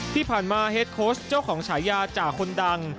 ที่ผ่านมาเฮดโค้ชเจ้าของฉายาจ่าคนดัง